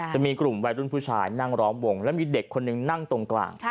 จะมีกลุ่มวัยรุ่นผู้ชายนั่งล้อมวงแล้วมีเด็กคนนึงนั่งตรงกลาง